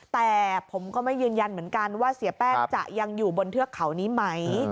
แต่ผมก็ไม่ยืนยันเหมือนกันว่าเสียแป้งจะยังอยู่บนเทือกเขานี้ไหม